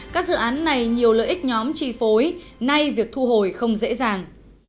các dự án này nhiều lợi ích nhóm chi phối nay việc thu hồi không dễ dàng